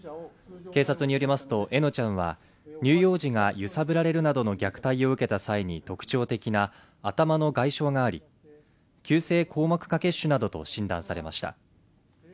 警察によりますと笑乃ちゃんは乳幼児が揺さぶられるなどの虐待を受けた際に特徴的な頭の外傷があり急性硬膜下血腫などと診断されました